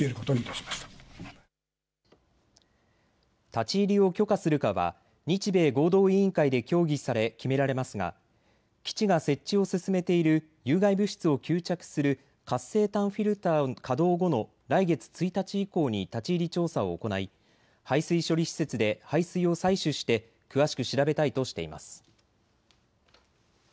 立ち入りを許可するかは日米合同委員会で協議され決められますが基地が設置を進めている有害物質を吸着する活性炭フィルター稼働後の来月１日以降に立ち入り調査を行い排水処理施設で排水を採取して詳しく調べたいとしています。